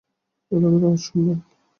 অ্যালার্মের আওয়াজ শুনলাম।